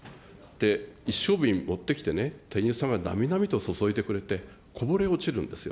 一升瓶持ってきてね、店員さんがなみなみと注いでくれて、こぼれ落ちるんですよ。